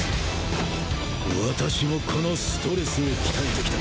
私もこの「ストレス」を鍛えてきた。